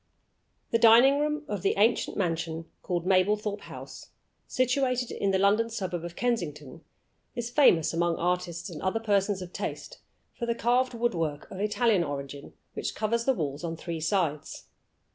The dining room of the ancient mansion called Mablethorpe House, situated in the London suburb of Kensington, is famous among artists and other persons of taste for the carved wood work, of Italian origin, which covers the walls on three sides.